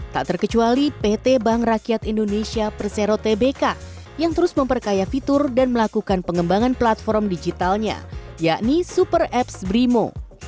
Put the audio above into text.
tak terkecuali pt bank rakyat indonesia persero tbk yang terus memperkaya fitur dan melakukan pengembangan platform digitalnya yakni super apps brimo